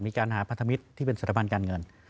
มีการหาพันธมิตรที่เป็นสถาบันการเงิน